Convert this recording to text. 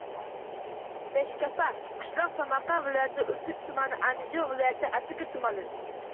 Beshkapa – qishloq, Samarqand viloyati Urgut tumani; Andijon viloyati Asaka tumani;